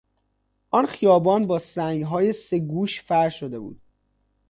آن خیابان با سنگهای سه گوش فرش شده بود.